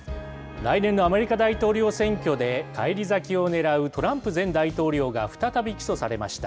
来年のアメリカ大統領選挙で、返り咲きを狙うトランプ前大統領が再び起訴されました。